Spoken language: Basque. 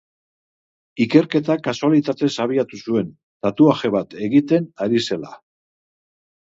Ikerketa kasualitatez abiatu zuen, tatuaje bat egiten ari zela.